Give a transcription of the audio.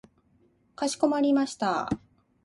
かしこまりました。